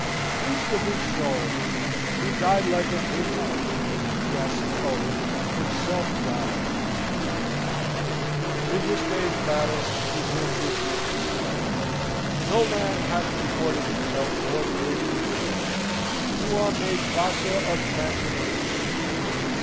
"Peace to his soul! He died like a good knight," gasps Ulric, himself dying on the field. "In this day's battle," the grim Vizier continues, "no man hath comported himself more bravely than you. You are made Bassa of Transylvania!